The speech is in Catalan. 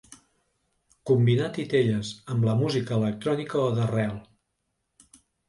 Combinar titelles amb la música electrònica o d’arrel.